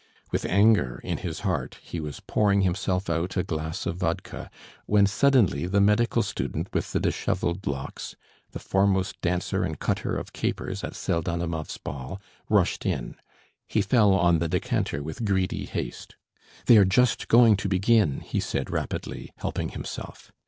With anger in his heart he was pouring himself out a glass of vodka, when suddenly the medical student with the dishevelled locks, the foremost dancer and cutter of capers at Pseldonimov's ball, rushed in. He fell on the decanter with greedy haste. "They are just going to begin!" he said rapidly, helping himself.